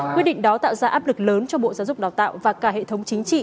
quyết định đó tạo ra áp lực lớn cho bộ giáo dục đào tạo và cả hệ thống chính trị